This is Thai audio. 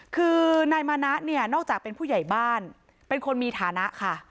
คือนายมานะเนี่ยนอกจากเป็นผู้ใหญ่บ้านเป็นคนมีฐานะค่ะ